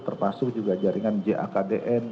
terpasu juga jaringan gakdn